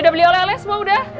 udah beli oleh oleh semua udah